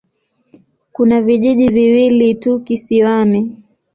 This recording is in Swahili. Kuna vijiji viwili tu kisiwani.